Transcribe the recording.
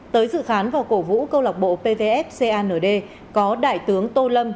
tới dự khán và cổ vũ câu lạc bộ pvf cand có đại tướng tô lâm